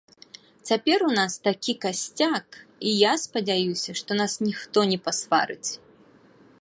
Цяпер у нас такі касцяк, і я спадзяюся, што нас ніхто не пасварыць.